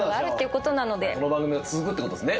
この番組は続くってことですね。